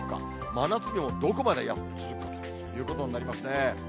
真夏日もどこまで続くかということになってますね。